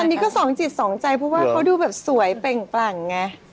อันนี้ก็สองจิตสองใจเพราะว่าเขาดูแบบสวยเปล่งปลั่งไง